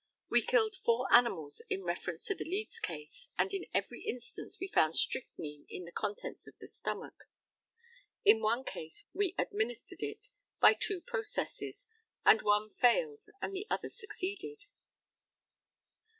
We killed four animals in reference to the Leeds case, and in every instance we found strychnine in the contents of the stomach. In one case we administered it by two processes, and one failed and the other succeeded.